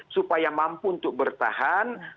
supaya mampu untuk bertahan